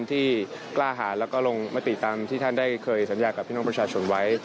ที่กล้าหาแล้วก็ลงมติตามที่ท่านได้เคยสัญญากับพี่น้องประชาชนไว้